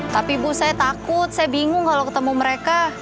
tapi bu saya takut saya bingung kalo ketemu mereka